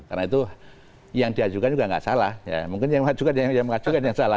karena itu yang diajukan juga tidak salah mungkin yang diajukan yang salah